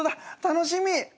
楽しみ。